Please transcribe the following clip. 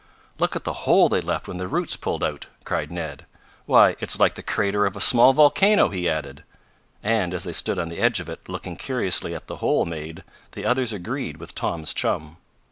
"Look at the hole left when the roots pulled out!" cried Ned. "Why, it's like the crater of a small volcano!" he added. And, as they stood on the edge of it looking curiously at the hole made, the others agreed with Tom's chum.